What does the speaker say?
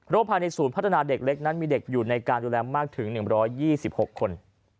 ภายในศูนย์พัฒนาเด็กเล็กนั้นมีเด็กอยู่ในการดูแลมากถึง๑๒๖คน